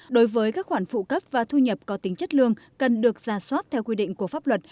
đối với các khoản phụ cấp và thu nhập có tính chất lương cần được ra soát theo quy định của pháp luật